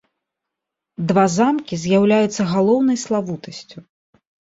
Два замкі з'яўляюцца галоўнай славутасцю.